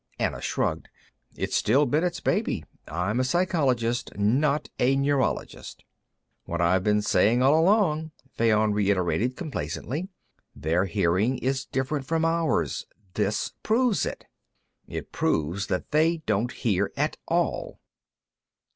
Anna shrugged. "It's still Bennet's baby. I'm a psychologist, not a neurologist." "What I've been saying, all along," Fayon reiterated complacently. "Their hearing is different from ours. This proves it. "It proves that they don't hear at all."